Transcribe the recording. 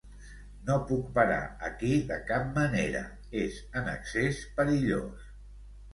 No puc parar aquí de cap manera, és en excés perillós.